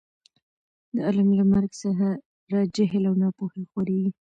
د عالم له مرګ سره جهل او نا پوهي خورېږي.